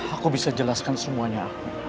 aku bisa jelaskan semuanya